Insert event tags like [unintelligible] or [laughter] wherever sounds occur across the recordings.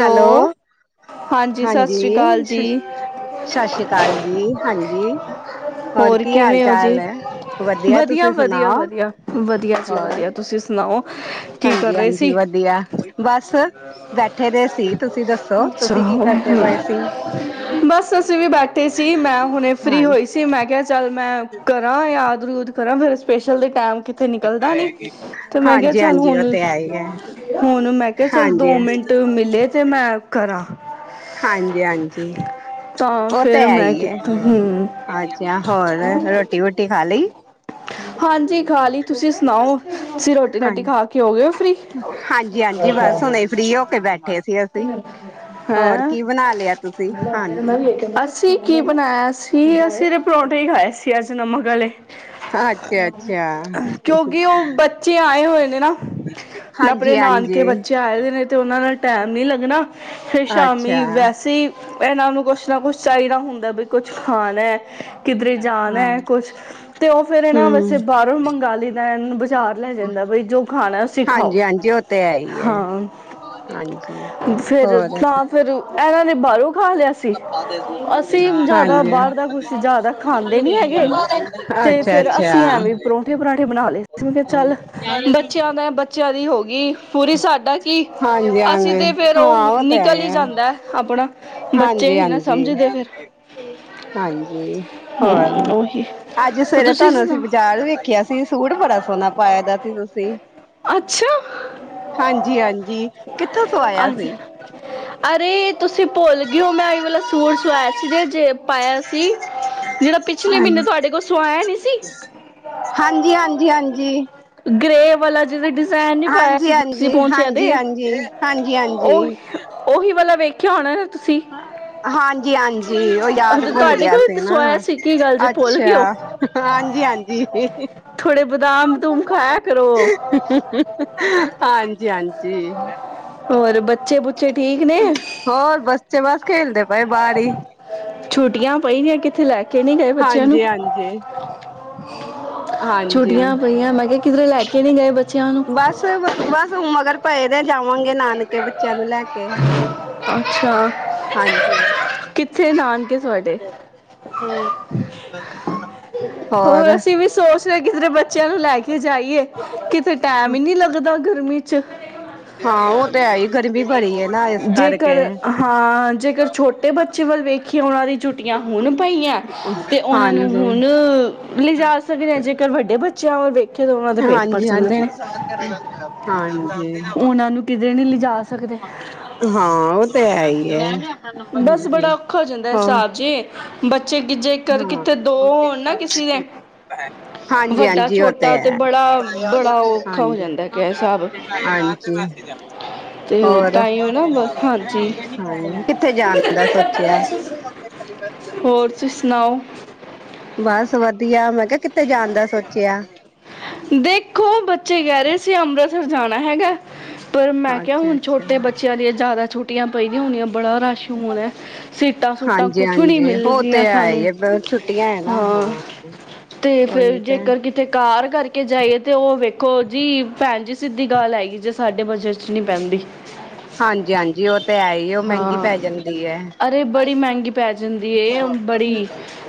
Hello ਹਾਂਜੀ ਸਤਿ ਸ਼੍ਰੀ ਅਕਾਲ ਜੀ ਹਾਂਜੀ ਹੋਰ ਕਿਵੇਂ ਹੋ ਜੀ ਵਧੀਆ ਵਧੀਆ ਵਧੀਆ ਵਧੀ ਵਧੀਆ ਜੀ ਵਧੀਆ ਤੁਸੀਂ ਸੁਨਾਓ ਹਾਂਜੀ ਹਾਂਜੀ ਵਧੀਆ ਬਸ ਬੈਠੇ ਦੇ ਸੀ ਤੁਸੀਂ ਦੱਸੋ ਤੁਸੀਂ ਕੀ ਕਰਦੇ ਪਏ ਸੀ ਹਾਂ ਮੈਂ ਕਿਹਾ ਚੱਲ ਮੈਂ ਕਰਾਂ ਯਾਦ ਰੂਦ ਕਰਾਂ ਫੇਰ ਸਪੇਸ਼ਲ ਦੇ ਟਮ ਕਿਥ ਨਿਕਲਦਾ ਨੀ ਤੇ ਮੈਂ ਕਿਹਾ ਚੱਲ ਹੁਣ ਹੁਣ ਮੈਂ ਕਿਹਾ ਚੱਲ ਦੋ ਮਿੰਟ ਮਿਲੇ ਤੇ ਮੈਂ ਕਰਾਂ ਤ ਫਿਰ ਮੈਂ ਕਿ ਹਮ ਅੱਛਾ ਹੋਰ- ਰੋਟੀ- ਵੋਟੀ ਖਾ ਲਈ- ਖਾ ਲਈ ਤੁਸੀਂ ਸੁਣਾਓ- ਤੁਸੀਂ ਰੋਟੀ ਰਾਟੀ ਖਾ ਕੇ ਹੋ ਗਏ ਹੋ ਫ੍ਰੀ ਹੈਂ ਅਸੀਂ ਕੀ ਬਣਾਇਆ ਸੀ- ਸਿਰੇ ਪਰੌਂਠੇ ਹੀ ਖਾਏ ਸੀ ਅੱਜ ਨਮਕ ਵਾਲੇ- ਕਿਉਂਕਿ ਉਹ ਬੱਚੇ ਆਏ ਹੋਏ ਨੇ ਨਾ ਆਪਣੇ ਨਾਨਕੇ ਬੱਚੇ ਆਏ ਦੇ ਨੇ ਤੇ ਉਹਨਾਂ ਨਾਲ- ਟਾਈਮ ਨਹੀਂ ਲੱਗਣਾ- ਫੇਿਰ ਸ਼ਾਮੀ ਵੈਸੇ ਹੀ- ਇਹਨਾਂ ਨੂੰ ਕੁਛ ਨਾ ਕੁਛ ਚਾਹੀਦਾ ਹੁੰਦਾ ਵੀ ਕੁੱਛ ਖਾਣਾ- [unintelligible] ਕਿਧਰੇ ਜਾਣਾ ਕੁਛ ਤੇ ਉਹ ਫੇਰ ਇਹਨਾਂ ਵੈਸੇ ਬਾਹਰੋਂ ਮੰਗ ਲਦਾ ਇਹ ਬਾਜ਼ਾਰ ਲੈ ਜਾਂਦਾ ਬਈ ਜੋ ਖਾਣਾ ਅਸੀਂ ਖਾਓ ਹਾਂ ਫਰ ਤਾਂ ਫਿਰ ਇਹਨਾਂ ਨੇ ਬਾਹਰੋਂ ਖਾ ਲਿਆ ਸੀ ਅਸੀਂ ਜ਼ਿਆਦਾ ਬਾਹਰ ਦਾ ਕੁਛ ਜਾਦਾ ਖਾਂਦੇ ਨੀ ਹੈਗੇ ਤੇ ਫੇਰ ਅਸੀਂ ਐਵੇਂ ਪਰੌਂਠੇ ਪਰੌਠੇ ਬਣਾ ਲਏ ਚੱਲ ਬੱਚਿਆਂ ਦਾ ਬੱਚਿਆਂ ਦੀ ਹੋ ਗਈ ਪੂਰੀ ਸਾਡਾ ਕੀ ਅਸੀਂ ਤੇ ਫੇਰ ਉਹ ਨਿਕਲ ਹੀ ਜਾਂਦਾ ਆਪਣਾ ਬੱਚੇ ਨੀ ਨਾ ਸਮਝਦੇ ਫਿਰ- ਹੋਰ ਅੱਜ ਸਵੇਰੇ ਤੁਹਾਨੂੰ ਅਸੀਂ ਬਾਜ਼ਾਰ ਵੇਖਿਆ ਸੀ ਸੂਟ ਬੜਾ ਸੋਹਣਾ ਪਾਇਆ ਦਾ ਸੀ ਤੁਸੀਂ ਹਾਂਜੀ-ਹਾਂਜੀ ਕਿੱਥੋਂ ਸਵਾਇਆ ਸੀ? ਤੁਸੀਂ ਭੁੱਲ ਗਏ ਹੋ ਮੈਂ ਇਹੀ ਵਾਲਾ ਸੂਟ ਸਵਾਇਆ ਸੀ ਜ ਜੇ- ਸੀ ਜਿਹੜਾ ਪ- ਹਾਂਜੀ-ਹਾਂਜੀ-ਹਾਂਜੀ-ਹਾਂਜੀ ਗ੍ਰੇ ਵਾਲਾ ਜਿਦੇ- ਹਾਂਜੀ-ਹਾਂਜੀ- ਹਾਂਜੀ-ਹਾਂਜੀ-ਹਾਂਜੀ-ਹਾਂਜੀ ਖਿਆ ਹੋਣਾ- ਹਾਂਜੀ ਹਾਂਜੀ ਉਹ ਯਾਦ- ੱਲਿਆ ਸੀ ਨਾ ਅੱਛਾ ਹਾਂਜੀ-ਹਾਂਜੀ-ਹਾਂਜੀ- ਹਾਂਜੀ ਹੋਰ ਬੱਚੇ ਬਸ ਖੇਲਦੇ ਪਏ ਬਾਰ ਹੀ- ਪਈ ਨ ਕਿੱਥੇ ਲੈ ਕੇ- ਕਿ ਨਹੀ ਗਏ ਬੱਚਿਆਂ ਨੂੰ- ਹਾਂਜੀ ਬਸ ਬਸ ਹੁ ਮਗਰ ਪਏ ਦੇ ਜਾਵਾਂਗੇ ਨਾਨਕੇ ਬੱਚਿਆਂ ਨੂੰ ਲੈ ਕੇ- ਅੱਛਾ- ਹਾਂਜੀ- ਕਿੱਥੇ ਨਾਨਕੇ- ਹੋਰ ਅਸੀਂ ਵੀ ਸੋਚ ਰਹੇ ਕਿਧਰੇ ਬੱਚਿਆਂ ਨੂੰ ਲੈ ਕੇ ਜਾਈਏ ਕਿਥੇ ਟੈਮ ਹੀ ਨਹੀਂ ਲੱਗਦਾ- ਗਰਮੀ ਚ- ਜੇਕਰ ਹਾਂ ਜੇਕਰ ਛੋਟੇ ਬੱਚੇ ਵੱਲ ਵੇਖੀਏ ਉਹਨਾਂ ਦੀ। ਹੁਣ ਪਈਆਂ ਤੇ ਉਹਨਾਂ ਨੂੰ ਹੁਣ। ਲਿਜਾ ਸਕਦੇ ਹਾਂ ਜੇਕਰ ਵੱਡੇ ਬੱਚਿਆਂ ਹੋਵੇ। ਹਾਂਜੀ ਹਾਂਜੀ ਹਾਂਜੀ ਹਾਂਜੀ ਹਾਂ ਉਹ ਤੇ ਹੈ ਹੀ ਹੈ ਮੈਂ ਕਿਹਾ ਆਪਣਾ ਨੰਬਰ ਦੇ ਦਿਉ ਜੀ ਹੋਰ। ਜੇ ਬੱਚੇ ਗਿੱਜੇ ਕਰ ਕਿੱਥੇ ਦੋ ਹੋਣ ਨਾ ਕਿਸੇ ਦੇ ਵੱਡਾ ਛੋਟਾ ਤੇ ਵੱਡਾ। ਹਾਂਜੀ ਹਾਂਜੀ ਹਾਂਜੀ ਹੋਰ ਹਾਂਜੀ ਕਿੱਥੇ ਜਾਣ ਦਾ ਸੋਚਿਆ। ਖਾਲੀ ਬੱਸ ਜਾਂਦੀ ਬਸ ਵਧ। ਵਧੀਆ ਮੈਂ ਕਿਹਾ ਕਿੱਥੇ ਜਾਣ ਦਾ ਸੋਚਿਆ। ਦੇਖੋ ਬੱਚੇ ਕਹਿ ਰਹੇ ਸੀ ਅੰਮ੍ਰਿਤਸਰ ਜਾਣਾ ਹੈਗਾ। ਪਰ ਮੈਂ ਕਿਹਾ ਹੁਣ ਛੋਟੇ ਬੱਚਿਆਂ ਦੀਆਂ ਜ਼ਿਆਦਾ ਛੁੱਟੀਆਂ ਪਈ ਦੀਆਂ ਹੋਣੀਆਂ ਬੜਾ ਰਸ਼ ਹੋਣਾ ਸੀਟਾਂ ਸੂਟਾਂ ਕੁਛ ਵੀ ਨਹੀਂ ਮਿਲਣੀਆਂ ਸਾਨੂੰ ਹਾਂ ਤੇ ਫੇਰ ਜੇਕਰ ਕਿਤੇ। ਕਾਰ ਕਰਕੇ ਜਾਈਏ ਤੇ ਉਹ ਵੇਖੋ ਜੀ ਭੈਣ ਜੀ। ਸਿੱਧੀ ਗੱਲ ਹੈਗੀ ਜੇ ਸਾਡੇ ਬਜਟ ਚ ਨਹੀਂ ਪੈਂਦੀ। ਹਾਂਜੀ ਹਾਂਜੀ ਉਹ। ਹਾਂ ਅਰੇ ਬੜੀ ਮਹਿੰਗੀ ਪੈ ਜਾਂਦੀ ਏ ਬੜੀ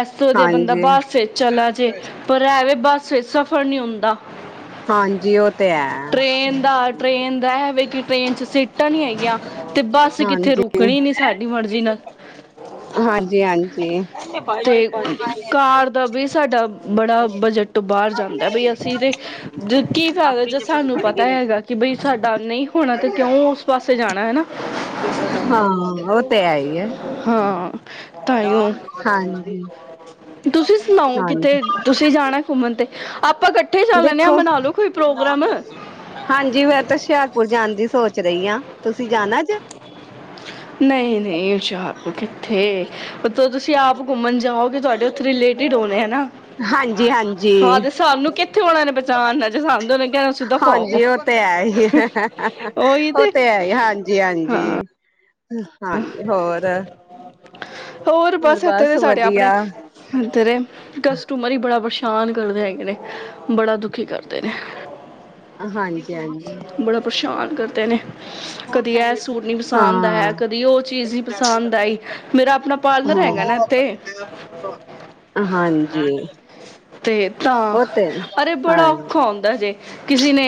ਐਸ ਤੋਂ ਵਧੀਆ ਬੰਦਾ ਬੱਸ ਵਿੱਚ ਚਲਾ ਜੇ ਪਰ ਐਵੇ ਬੱਸ। ਸਹੀ ਸਫਰ ਨੀ ਹੁੰ ਹੁੰਦਾ ਟ੍ਰੇਨ ਦਾ ਟ੍ਰੇਨ ਦਾ ਐਵੇ ਕਿ ਟ੍ਰੇਨ ਚ ਸੀਟਾਂ ਨਹੀਂ ਹੈਗੀਆਂ ਤੇ ਬੱਸ। ਹਾਂਜੀ ਹਾਂਜੀ ਸਾਡਾ। ਬੜਾ ਬਜਟ ਤੋਂ ਬਾਹਰ ਜਾਂਦਾ ਬਈ ਅਸੀਂ ਤੇ ਕੀ ਫਾਇਦਾ ਜਦੋ ਸਾਨੂੰ ਪਤਾ ਹੈਗਾ ਕਿ ਬਈ ਸਾਡਾ ਨਹੀਂ ਹੋਣਾ ਤਾਂ ਕਿਉਂ ਉਸ ਪਾਸੇ ਜਾਣੈ ਹਨਾ। ਹਾਂ ਉਹ ਤਾਂ ਹੈ ਹੀ ਹੈ। ਹਾਂ। ਹਾਂਜੀ ਹਾਂਜੀ ਦੇਖੋ ਨੀ ਨਾਮ ਦੱਸੋ ਹਾਂਜੀ ਮੈਂ ਤਾਂ ਹੁਸ਼ਿਆਰਪੁਰ ਜਾਣ ਦੀ ਸੋਚ। ਸੋਚ ਰਹੀਆਂ ਤੁਸੀਂ। ਨਹੀਂ ਨਹੀਂ ਹੁਸ਼ਿਆਰਪੁਰ ਕਿੱਥੇ। [inaudible] [inaudible] ਤੁਸੀਂ ਆਪ ਘੁੰਮਣ ਜਾਓਗੇ ਤੁਹਾਡੇ ਉੱਥੇ ਰਿਲੇਟਿਡ ਹੋਣੇ ਹਨਾ ਹਾਂ ਤੇ ਸਾਨੂੰ ਕਿੱਥੇ ਉਹਣਾ ਨੇ ਪਹਿਚਾਣਨਾ ਜੇ ਸਾਨੂੰ ਉਹਨਾਂ ਕਹਿਣਾ ਦਫ਼ਾ ਹੋ ਉਹੀ ਤੇ। ਜੀ ਹਾਂਜੀ। ਹਾਂਜੀ ਹੋਰ। [inaudible] ਹੋਰ ਬਸ ਇੱਥੇ ਦੇ ਸਾਡੇ ਆਪਣੇ ਇਥਰੇ ਕਸਟਮਰ ਹੀ ਬੜਾ ਪਰੇਸ਼ਾਨ ਕਰਦੇ ਹੈਗੇ ਨੇ ਬੜਾ ਦੁਖ ਕਰਦੇ ਨੇ ਹਾਂਜੀ। ਬੜਾ ਪ੍ਰਸ਼ਾਨ ਕਰਦਾ। [unintelligible] ਕਦੀ ਇਹ ਸੂਟ ਨੀ ਪਸੰਦ ਆਇਆ ਕਦੀ ਉਹ ਚੀਜ਼ ਨੀ ਪਸੰਦ ਆਈ ਮੇਰਾ ਆਪਣਾ ਪਾਰਲਰ ਹੈਗਾ ਨਾ ਇੱਥੇ ਤੇ ਤਾਂ ਅਰੇ ਬੜਾ ਔਖਾ ਹੁੰਦਾ ਜੇ ਕਿਸੇ ਨੇ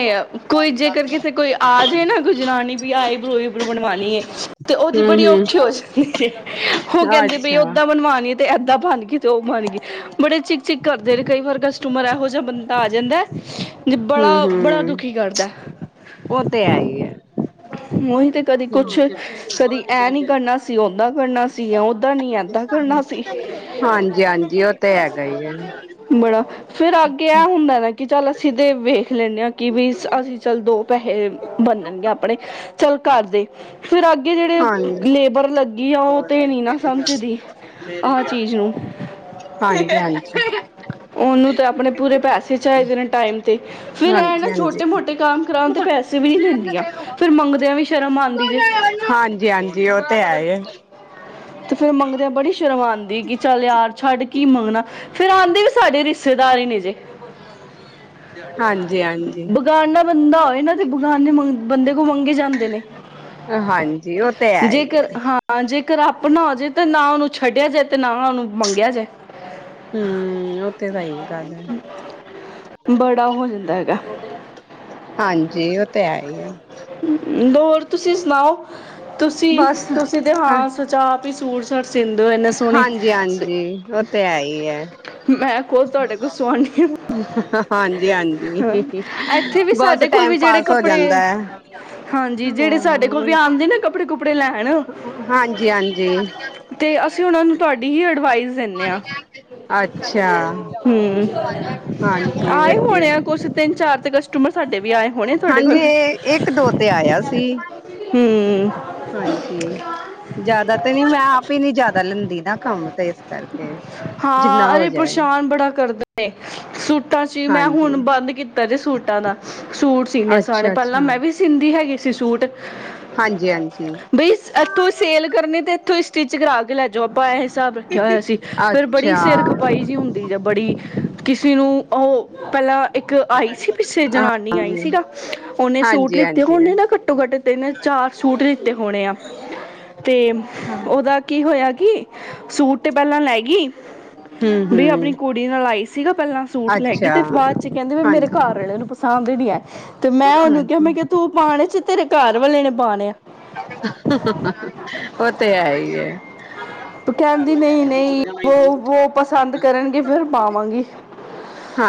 ਕੋਈ ਜੇਕਰ ਕਿਸੇ ਕੋਈ ਆ ਜਾਏ ਨਾ ਕੋਈ ਜਨਾਨੀ ਵੀ ਆਈ ਬਰੋ ਬਰੂ ਬਣਵਾਉਣੀ ਹੈ ਤੇ ਉਹਦੀ ਬੜੀ ਔਖੀ ਹੋ ਜਾਂਦੀ ਸੀ ਉਹ ਕਹਿੰਦੇ ਬਈ ਓਦਾਂ ਬਣਬਾਣੀ ਹੈ ਤੇ ਏਦਾ ਪਾ ਤੇ ਉਹ ਬਣ ਗਈ ਬੜੇ ਚਿੱਕ ਚਿੱਕ ਕਰਦੇ ਕਈ ਵਾਰ ਕਸਟਮਰ ਇਹੋ ਜਿਹਾ ਬੰਦਾ ਆ ਜਾਂਦਾ। ਤੇ ਬੜਾ ਬੜਾ ਦੁੱਖ ਉਹ ਤੇ ਹੈ ਹੀ ਹੈ। [unintelligible] ਤੇ ਕਦੀ ਕੁਛ ਕਦੀ ਇਹ ਨੀ ਕਰਨਾ ਸੀ ਓਦਾਂ ਕਰਨਾ ਸੀ ਓਦਾਂ ਨੀ ਏਦਾਂ ਕਰਨਾ ਸੀ ਬੜਾ ਫੇਰ ਅੱਗੇ ਇਹ ਹੁੰਦਾ ਨਾ ਕਿ ਚੱਲ ਅਸੀਂ ਤੇ ਵੇਖ ਲੈਂਦੇ ਹਾਂ ਕਿ ਵੀ ਅਸੀਂ ਚੱਲ ਦੋ ਪੈਸੇ ਬੰਨਣਗੇ ਆਪ ਚੱਲ ਘਰ ਦੇ [inaudible] ਫੇਰ ਅੱਗੇ ਜਿਹੜੇ ਲੇਬਰ ਲੱਗੀ ਆ ਉਹ ਤੇ ਨੀ ਨਾ ਸਮਝਦੀ ਆਹ ਚੀਜ਼ ਨੂੰ ਉਨੂੰ ਤੇ ਆਪਣੇ ਪੂਰੇ ਪੈਸੇ ਚਾਹੀਦੇ ਨੇ ਟਾਈਮ ਤੇ ਫਿਰ ਇਹ ਨਾ ਛੋਟੇ ਮੋਟੇ ਕੰਮ ਕਰਾਉਣ ਤੇ ਪੈਸੇ ਵੀ ਨੀ ਦਿੰਦੀਆਂ। ਫਿਰ ਮੰਗਦਿਆਂ ਵੀ ਸ਼ਰਮ ਆਉਂਦੀ ਜੇ। ਹਾਂਜੀ ਹਾਂਜੀ ਉਹ ਤੇ ਹੈ। ਤੇ ਫੇਰ ਮੰਗਦਿਆਂ ਬੜੀ ਸ਼ਰਮ ਆਉਂਦੀ ਕਿ ਚੱਲ ਯਾਰ ਛੱਡ ਕੀ ਮੰਗਣਾ। ਫਿਰ ਆਉਂਦੇ ਵੀ ਸਾਡੇ ਰਿਸ਼ਤੇਦਾਰ ਹੀ ਨੇ ਜੇ ਹਾਂਜੀ ਹਾਂਜੀ। ਇਹਨਾਂ ਦੇ ਬਗਾਨੇ ਬੰਦੇ ਮੰਗੇ ਜਾਂਦੇ ਨੇ ਜੇਕਰ ਹਾਂ ਜੇ ਰਬ ਆਪ ਨਾ ਹੋ ਜਾਏ ਤੇ ਨਾ ਉਹਨੂੰ ਛੱਡਿਆ ਜਾਏ ਤੇ ਨਾ ਉਹਨੂੰ ਮੰਗਿਆ ਜਾਏ। ਹਮ ਉਹ ਤੇ ਤਾਂਹੀ ਗੱਲ ਹੈ। ਬੜਾ ਹੋ ਜਾਂਦਾ। ਹਾਂਜੀ ਉਹ ਤੇ ਹੈ। ਹ। ਹੋਰ ਤੁਸੀਂ ਸੁਣਾਓ ਤੁਸੀਂ ਤੁਸੀਂ ਤੇ ਹਾਂ ਸਚ ਆਪ ਨਹੀਂ, ਸੂਟ-ਸੂਟ ਹਾਂਜੀ-ਹਾਂਜੀ, ਉਹ ਤੇ ਹੈ ਹੀ ਏ। ਹਾਂਜੀ-ਹਾਂਜੀ, ਬਸ ਟਾਈਮ ਪਾਸ ਹੋ ਜਾਂਦਾ ਹੈ। ਹਾਂਜੀ, ਜਿਹੜੇ ਸਾਡੇ ਕੋਲ ਵੀ ਆਉਂਦੇ ਨਾ ਕੱਪੜੇ-ਕੁੱਪੜੇ ਲੈਣ ਹਾਂਜੀ-ਹਾਂਜੀ, ਅੱਛਾ। ਹਾਂਜੀ, ਵਧੀਆ। ਤੇ ਕਸਟਮਰ ਸਾਡੇ ਵੀ ਆਏ ਹੋਣੇ, ਤੁਹਾਡੇ ਕੋਲ ਇੱਕ-ਦੋ ਤੇ ਆਇਆ ਸੀ। ਹੂੰ ਹਾਂਜੀ, ਜ਼ਿਆਦਾ ਤੇ ਨੀ ਮੈਂ ਆਪ ਹੀ ਨੀ ਜਿਆਦਾ ਲੈਂਦੀ ਨਾ ਕੰਮ ਤੇ ਇਸ ਕਰਕੇ। ਜਿੰਨਾ ਹੋ ਜਾਏ। ਹਾਂਜੀ, ਅੱਛਾ-ਅੱਛਾ। ਦੀ ਹੈਗੇ ਸੀ ਸੂਟ ਬਈ, ਇਥੋਂ ਹੀ ਸੇਲ ਕਰਨੇ ਤੇ ਇੱਥੋਂ ਹੀ ਸਟਿਚ ਕਰਾ ਕੇ ਲੈ ਜੋ, ਆਪਾਂ ਐ ਹੀ ਹਿਸਾਬ ਰੱਖਿਆ ਹੋਇਆ ਸੀ। ਫੇਰ ਬੜੀ ਸਿਰ ਖਪਾਈ ਜਿਹੀ ਹੁੰਦੀ ਹੈ। ਬੜੀ ਕਿਸੀ ਨੂੰ ਉਹ ਪਹਿਲਾਂ ਇੱਕ ਆਈ ਸੀ ਪਿੱਛੇ, ਜਨਾਨੀ ਆਈ ਸੀਗਾ ਉਹਨੇ ਲਿੱਤੇ ਹੋਣੇ ਨਾ ਘੱਟੋ-ਘੱਟ, ਤਿੰਨ-ਚਾਰ ਸੂਟ ਲਿੱਤੇ ਹੋਣੇ ਆ ਤੇ ਉਹਦਾ ਕੀ ਹੋਇਆ। ਹੈਗੀ, ਸੂਟ ਤੇ ਪਹਿਲਾਂ ਲੈ ਗਈ। ਬੀ ਆਪਣੀ ਕੁੜੀ ਨਾਲ ਆਈ ਸੀਗੀ ਪਹਿਲਾਂ। ਸੂਟ ਲੈ ਗਈ ਤੇ ਬਾਅਦ ਚ ਕਹਿੰਦੀ ਵੀ ਮੇਰੇ ਘਰ ਵਾਲੇ ਨੂੰ ਪਸੰਦ ਵਧੀਆ ਤੇ ਮੈਂ ਉਹਨੂੰ ਉਹ ਤੇ ਹੈ ਹੀ ਹੈ। [inaudible]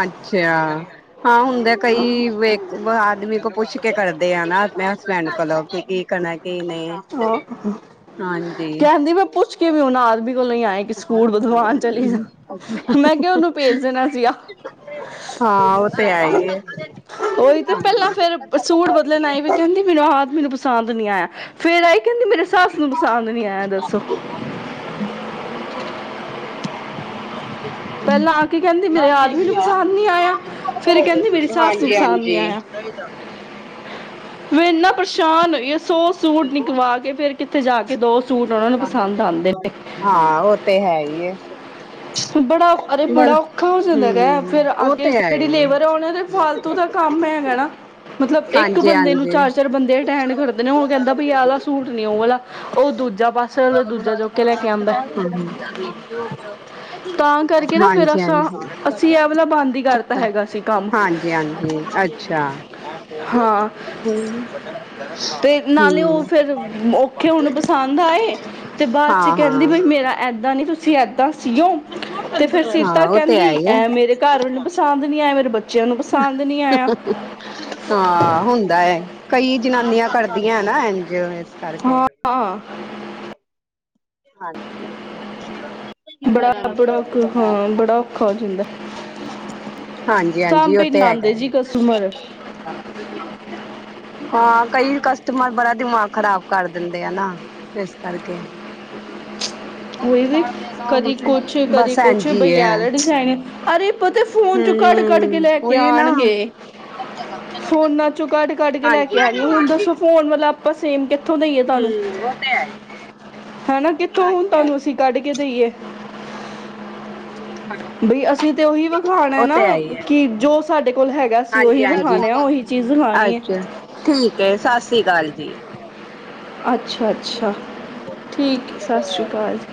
ਅੱਛਾ, ਹਾਂ ਹੁੰਦੇ ਕਈ ਵੇ ਆਦਮੀ ਤੋਂ ਪੁੱਛ ਕੇ ਕਰਦੇ ਆ ਨਾ ਆਪਣੇ। ਭੈਣ ਕੋਲੋਂ ਕਿ ਕੀ ਕਹਿਣਾ, ਕੀ ਨਹੀਂ? ਹਾਂਜੀ। ਕੋਲੋਂ ਆਏ ਕਿ ਸੂਟ ਬਨਵਾਨ ਚਲੀ ਸੀ। ਮੈਂ ਕਿਹਾ ਉਹਨੂੰ ਭੇਜ ਦੇਣਾ ਸੀਗਾ। ਉਹੀ ਤੇ ਪਹਿਲਾਂ ਫੇਰ ਸੂਟ ਬਦਲਣ ਆਈ ਵੀ ਪਹਿਲਾਂ ਆਪ ਨੂੰ ਪਸੰਦ ਨੀ ਆਇਆ। ਫੇਰ ਆਈ ਕਹਿੰਦੀ ਮੇਰੇ ਸੱਸ ਨੂੰ ਪਸੰਦ ਨੀ ਆਇਆ। ਦੱਸੋ ਪਹਿਲਾਂ ਕੀ ਕਹਿੰਦੀ, ਮੇਰੇ ਆਦਮੀ ਨੂੰ ਪਸੰਦ ਨੀ ਆਇਆ। ਫੇਰ ਕਹਿੰਦੀ ਮੇਰੀ ਸੱਸ ਨੂੰ ਪਸੰਦ ਨੀ ਆਇਆ। ਮੈਂ ਇੰਨਾ ਪਰੇਸ਼ਾਨ ਹੋਈ ਆ। ਸੌ ਸੂਟ ਨਿਕਲਵਾ ਕੇ ਫੇਰ ਕੀਤੇ ਜਾ ਕੇ ਦੋ ਹਾਂ, ਉਹ ਤੇ ਹੈ ਹੀ ਐ। ਬੜਾ, ਅਰੇ ਬੜਾ ਔਖਾ ਹੋ ਜਾਂਦਾ ਹੈਗਾ। ਫੇਰ ਅਗੇ ਜਿਹੜੀ ਲੇਬਰ ਆ, ਉਹਨਾਂ ਦੇ ਫਾਲਤੂ ਦਾ ਕੰਮ ਹੈਗਾ ਨਾ। ਮਤਲਬ, ਇੱਕ ਬੰਦੇ ਨੂੰ ਚਾਰ-ਚਾਰ ਬੰਦੇ ਅਟੈਂਡ ਕਰਦੇ ਨੇ। ਉਹ ਕਹਿੰਦਾ ਵਈ ਇਹ ਆਲਾ ਸੂਟ ਨਹੀਂ, ਉਹ ਵਾਲਾ [unintelligible] ਹਾਂਜੀ ਹਾਂਜੀ ਹਾਂਜੀ ਹਾਂਜੀ ਅੱਛਾ ਹਮ ਤੇ ਹੁਣ ਪਸੰਦ ਆਏ ਤੇ ਬਾਅਦ ਚ ਕਹਿੰਦੀ ਬਈ ਮੇਰਾ ਏਦਾਂ ਨੀ ਤੁਸੀਂ ਏਦਾਂ ਤੇ ਫਿਰ ਸੀਤਾ ਕਹਿੰਦੀਂ ਮੇਰੇ ਘਰ ਵੀੈਲੇ ਨੂੰ ਪਸੰਦ ਨਹੀਂੀ ਆਏ ਮੇਰੇ ਬੱਚੇ ਹਾਂ ਹੁੰਦਾ ਹੈ ਕਈ ਜਨਾਨੀਆਂ ਕਰ ਨਾ ਇੰਜਫ਼ਿਰ ਕਰਕੇ ਹਾਂਜੀ ਹਾਂਜੀ ਹਾਂਜੀ ਉਹ ਤੇ ਹੈਗਾ ਹੈ, ਹਾਂ ਕਈ ਕਸਟਮਰ ਤੇ ਮ ਬੜਾ ਦਿਮਾਗ ਖਰਾਬ ਕਰ ਦਿੰਦੇ ਆ ਨਾ ਇਸ ਕਰਕੇ ਉਹੀ ਹੀ, ਕਦੀ ਕੁਛ ਕਦੀ ਕੁਛ ਬਈ ਇਹ ਵਾਲਾ ਡਿਜ਼ਾਇਨ ਅਰੇ ਪਤਾ ਫੋਨ ਚੋਂ ਕੱਟ ਕੱਢ ਕੇ ਲੈ ਕੇ ਆਉਣਗੇ ਫੋਨਾਂ ਚੋਂ ਕੱਡ ਕੱਢ ਕੇ ਲੈ ਕੇ ਆਉਣਗੇ ਹੁਣ ਦੱਸੋ ਫੋਨ ਮਤਲਬ ਆਪਾਂ ਸੇਮ ਕਿੱਥੋਂ ਦੇ ਹੀਏ ਤੁਹਾਨੂੰ ਹਨਾ ਕਿ ਥੋਂ ਹੁਣ ਤੁਹਾਨੂੰ ਅਸੀਂ ਕੱਢ ਕੇ ਦੇਈਏ ਬਈ ਅਸੀਂ ਤੇ ਉਹੀ ਵਖਾਣਾ ਹੈ ਨਾ ਕਿ ਜੋ ਸਾਡੇ ਕੋਲ ਹੈਗਾ ਹਾਂਜੀ ਹਾਂਜੀ ਅੱਛਾ ਠੀਕ ਹੈ ਸਤਿ ਸ੍ਰੀ ਅਕਾਲ ਜੀ ਅੱਛਾ ਅੱਛਾ ਠੀਕ ਹੈ ਸਤਿ ਸ਼੍ਰੀ ਅਕਾਲ ਜੀ